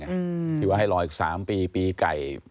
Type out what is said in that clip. ที่ว่าให้รออีก๓ปีปีไก่